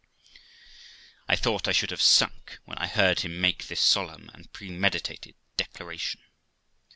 I thought I should have sunk when I had heard him make this solemn and premeditated declaration.